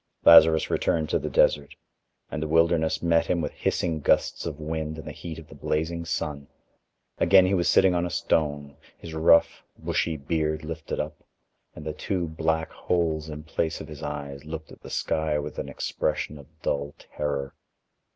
Lazarus returned to the desert, and the wilderness met him with hissing gusts of wind and the heat of the blazing sun. Again he was sitting on a stone, his rough, bushy beard lifted up; and the two black holes in place of his eyes looked at the sky with an expression of dull terror.